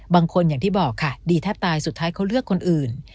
บางคนอย่างที่บอกค่ะดีแทบตายสุดท้ายเขาเลือกคนอื่น